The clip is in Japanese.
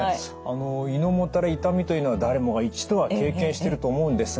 胃のもたれ痛みというのは誰もが一度は経験してると思うんですが